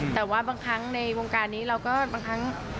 แต่ว่าบางครั้งในวงการนี้เราก็บางครั้ง